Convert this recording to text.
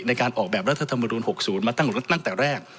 ในการออกแบบรัฐธรรมนูล๖๐มาตั้งแต่แรก